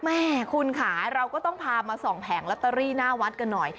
แม่คุณค่ะเราก็ต้องพามาส่องแผงลอตเตอรี่หน้าวัดกันหน่อย